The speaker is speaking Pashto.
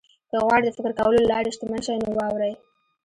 که غواړئ د فکر کولو له لارې شتمن شئ نو واورئ.